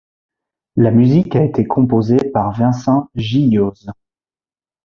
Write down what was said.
La musique a été composée par Vincent Gillioz.